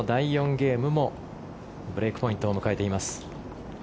ゲームもブレークポイントを迎えています。